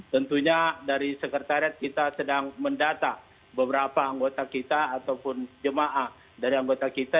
tentunya dari sekretariat kita sedang mendata beberapa anggota kita ataupun jemaah dari anggota kita